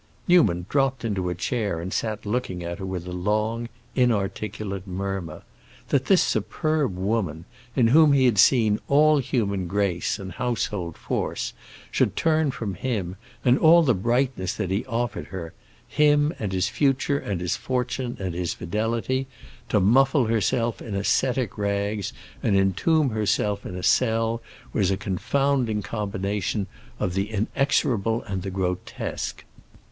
Newman dropped into a chair and sat looking at her with a long, inarticulate murmur. That this superb woman, in whom he had seen all human grace and household force, should turn from him and all the brightness that he offered her—him and his future and his fortune and his fidelity—to muffle herself in ascetic rags and entomb herself in a cell was a confounding combination of the inexorable and the grotesque.